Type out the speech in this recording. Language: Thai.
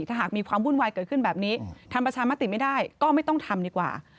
ถ้าหากมีความวุ่นวายเกิดขึ้นแบบนี้ทำประชามติไม่ได้ก็ไม่ต้องทำดีกว่า